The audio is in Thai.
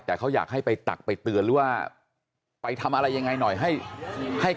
แต่เขาอยากให้ไปตักไปเตือนหรือว่าไปทำอะไรยังไงหน่อยให้ให้